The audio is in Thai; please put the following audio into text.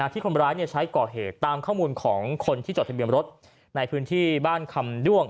ที่คนร้ายใช้ก่อเหตุตามข้อมูลของคนที่จดทะเบียนรถในพื้นที่บ้านคำด้วง